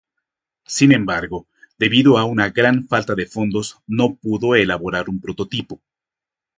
Sin embargo debido a una gran falta de fondos no pudo elaborar un prototipo.